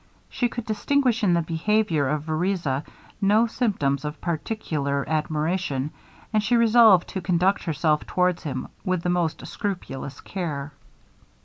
She could distinguish in the behaviour of Vereza no symptoms of particular admiration, and she resolved to conduct herself towards him with the most scrupulous care.